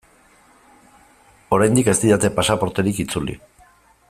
Oraindik ez didate pasaporterik itzuli.